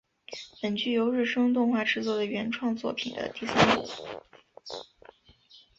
本剧由日升动画制作的原创作品的第三部。